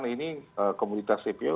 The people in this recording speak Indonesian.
ini komunitas cpo